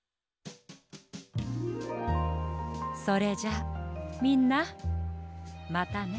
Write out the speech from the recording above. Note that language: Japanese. それじゃみんなまたね。